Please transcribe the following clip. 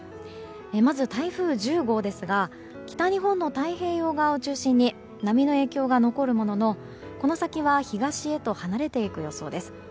まず台風１０号ですが北日本の太平洋側を中心に波の影響が残るもののこの先は東へと離れていく予想です。